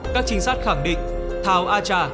các trinh sát khẳng định thảo a tra